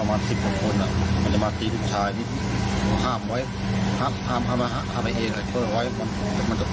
ห่างจากโรงแรมที่ใกล้ที่สุดเพียง๔๐เมตร